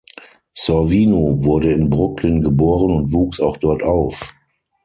Sorvino wurde in Brooklyn geboren und wuchs auch dort auf.